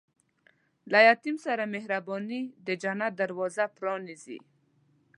له یتیم سره مهرباني، د جنت دروازه پرانیزي.